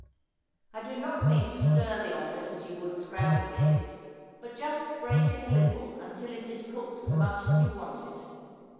I do not mean to stir the omelette as you would scrambled eggs, but just break it a little until it is cooked as much as you want it.